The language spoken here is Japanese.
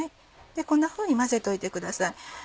こんなふうに混ぜといてください。